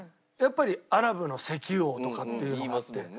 やっぱりアラブの石油王とかっていうのがあって。